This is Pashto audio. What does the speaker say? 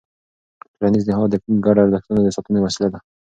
ټولنیز نهاد د ګډو ارزښتونو د ساتنې وسیله ده.